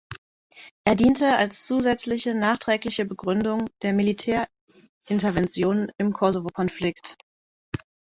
Er diente als zusätzliche nachträgliche Begründung der Militärintervention im Kosovo-Konflikt.